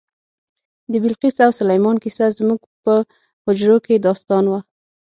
د بلقیس او سلیمان کیسه زموږ په حجرو کې داستان و.